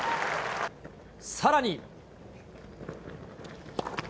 さらに。